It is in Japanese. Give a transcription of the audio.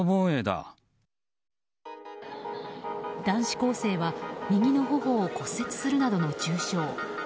男子高生は右の頬を骨折するなどの重傷。